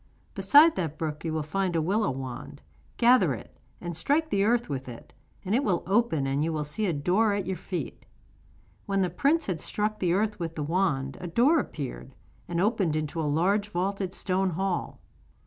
Beside that brook you will find a willow wand. Gather it, and strike the earth with it, and it will open and you will see a door at your feet.' When the prince had struck the earth with the wand a door appeared, and opened into a large vaulted stone hall.